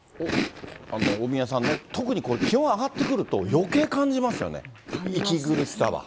大宮さんね、特にこれ、気温上がってくると、よけい感じますよね、息苦しさは。